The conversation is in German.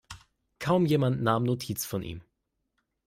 Kaum jemand nahm Notiz von ihm.